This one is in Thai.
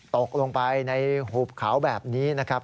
ตกลงไปในหุบเขาแบบนี้นะครับ